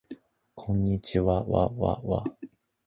こんにちわわわわ